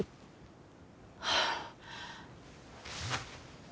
はあ。